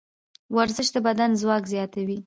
ورزش د بدن ځواک زیاتوي.